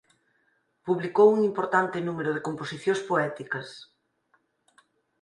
Publicou un importante número de composicións poéticas.